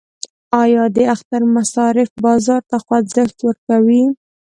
آیا د اختر مصارف بازار ته خوځښت ورکوي؟